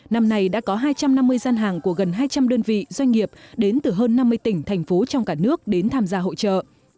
năm nay đã có hai trăm năm mươi gian hàng của gần hai trăm linh đơn vị doanh nghiệp đến từ hơn năm mươi tỉnh thành phố trong cả nước đến tham gia hội trợ